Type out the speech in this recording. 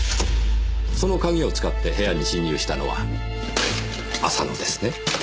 その鍵を使って部屋に侵入したのは浅野ですね？